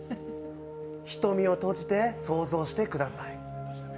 瞳を閉じて想像してください。